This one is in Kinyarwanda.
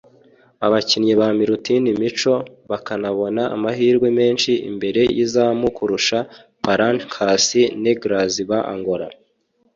abakinnyi ba Milutin Micho bakanabona amahirwe menshi imbere y’izamu kurusha Palancas Negras ba Angola